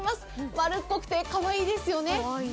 丸っこくて、かわいいですよね。